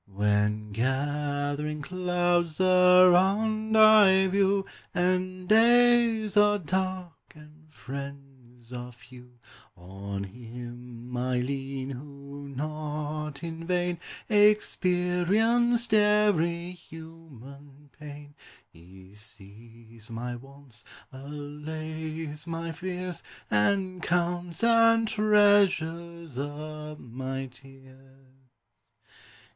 When gathering clouds around I view, And days are dark, and friends are few, On Him I lean, who, not in vain, Experienced every human pain; He sees my wants, allays my fears. And counts and treasures up my tears.